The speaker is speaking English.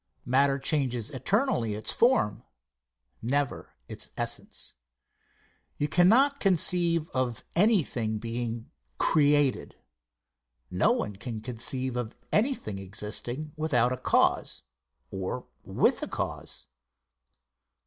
Matter changes eternally its form, never its essence. You cannot conceive of anything being created. No one can conceive of anything existing without a cause or with a cause.